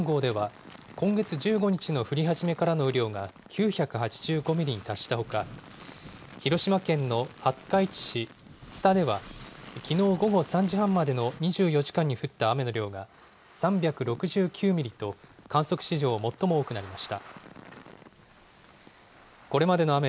宮崎県美郷町南郷では今月１５日のう降り始めからの雨量が９８５ミリに達したほか、広島県の廿日市市津田ではきのう午後３時半までの２４時間に降った雨の量が３６９ミリと、観測史上最も多くなりました。